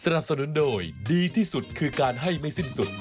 สนุนโดยดีที่สุดคือการให้ไม่สิ้นสุด